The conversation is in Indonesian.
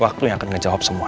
waktu yang akan ngejawab semua